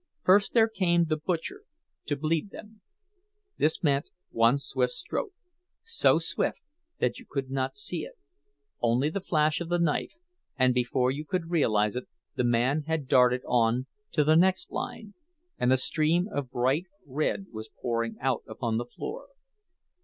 First there came the "butcher," to bleed them; this meant one swift stroke, so swift that you could not see it—only the flash of the knife; and before you could realize it, the man had darted on to the next line, and a stream of bright red was pouring out upon the floor.